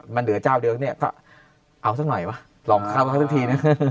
มันเหลือเจ้าเดียวเอาสักหน่อยว่ะลองเข้ามาซักที